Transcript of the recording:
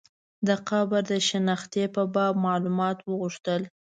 د قبر د شنختې په باب معلومات وغوښتل.